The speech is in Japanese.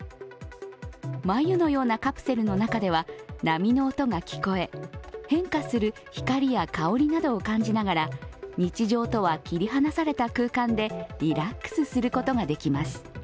繭のようなカプセルの中では波の音が聞こえ変化する光や香りなどを感じながら日常とは切り離された空間でリラックスすることができます。